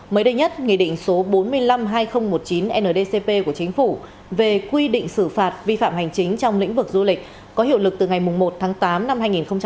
mới đây nhất nghị định số bốn mươi năm hai nghìn một mươi chín ndcp của chính phủ về quy định xử phạt vi phạm hành chính trong lĩnh vực du lịch có hiệu lực từ ngày một tháng tám năm hai nghìn một mươi chín